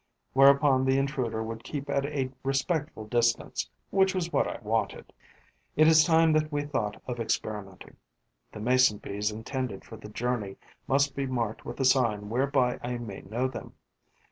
Whereupon the intruder would keep at a respectful distance, which was what I wanted. It is time that we thought of experimenting. The Mason bees intended for the journey must be marked with a sign whereby I may know them.